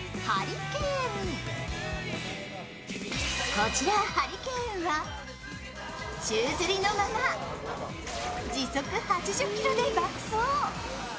こちらハリケーンは宙づりのまま、時速８０キロで爆走。